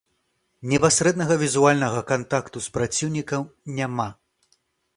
Непасрэднага візуальнага кантакту з праціўнікам няма.